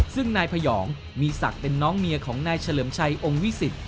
ซึ่งนายพยองมีศักดิ์เป็นน้องเมียของนายเฉลิมชัยองค์วิสิต